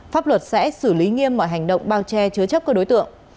pháp luật sẽ xử lý nghiêm mọi hành động bao che chứa chấp các đối tượng